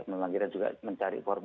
memang kita juga mencari formula